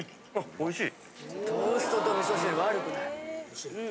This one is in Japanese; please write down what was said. おいしい。